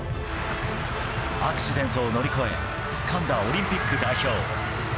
アクシデントを乗り越えつかんだオリンピック代表。